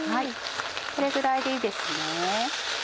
これぐらいでいいです。